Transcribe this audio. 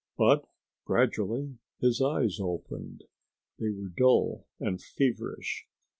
But gradually his eyes opened. They were dull and feverish.